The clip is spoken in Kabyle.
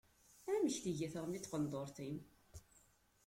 Amek tga teɣmi n tqendurt-im?